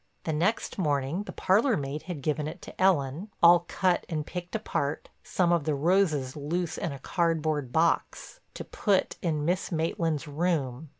The next morning the parlor maid had given it to Ellen—all cut and picked apart, some of the roses loose in a cardboard box—to put in Miss Maitland's room.